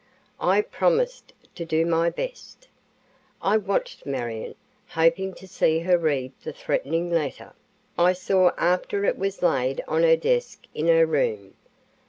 I promised to do my best. I watched Marion, hoping to see her read the threatening letter. I saw it after it was laid on her desk in her room.